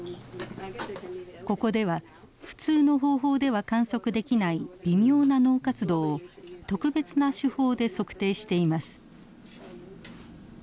ここでは普通の方法では観測できない微妙な脳活動を特別な手法で測定しています。